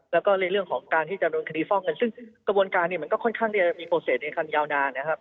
แล้วก็ในเรื่องของการที่จะโดนคดีฟอกเงินซึ่งกระบวนการเนี่ยมันก็ค่อนข้างที่จะมีโปรเศษในคำยาวนานนะครับ